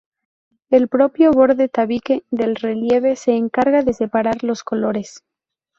El propio borde-tabique del relieve se encarga de separar los colores.